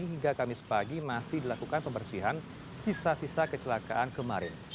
hingga kamis pagi masih dilakukan pembersihan sisa sisa kecelakaan kemarin